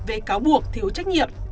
về cáo buộc thiếu trách nhiệm